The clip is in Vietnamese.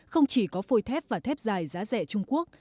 không chỉ có phôi thép và thép dài giá rẻ trung quốc